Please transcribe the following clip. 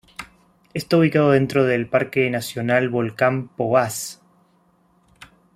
Está ubicado dentro del Parque nacional Volcán Poás.